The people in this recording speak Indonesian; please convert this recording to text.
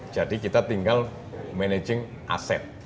jadi kita tinggal managing aset